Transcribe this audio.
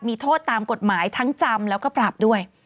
มีโทษตามกฎหมายทั้งจำแล้วก็ปรับด้วย